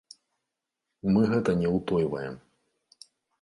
Мы гэта не ўтойваем.